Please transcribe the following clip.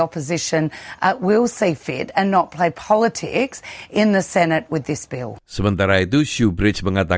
namun mereka tidak memiliki basis yang kredibel untuk menulis penyelidikan itu